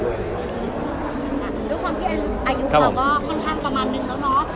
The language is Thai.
ด้วยความที่อายุเราก็ค่อนข้างประมาณนึงแล้วเนาะ